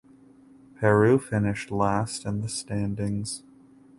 Peru finished last in the standings.